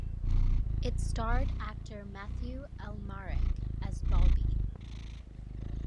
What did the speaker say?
It starred actor Mathieu Amalric as Bauby.